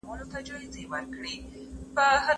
ما ناوړه عرفونه هیڅکله نه دي منلي.